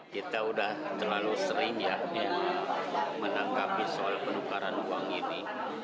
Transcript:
kita sudah terlalu sering ya menangkapi soal penukaran uang ini